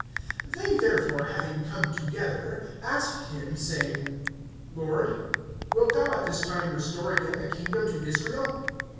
(6)They therefore, having come together[1:6], asked him, saying: Lord, wilt thou at this time restore again the kingdom to Israel?